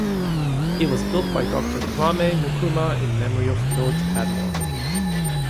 It was built by Doctor Kwame Nkrumah in memory of George Padmore.